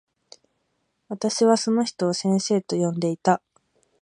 私はその人を先生と呼んでいた。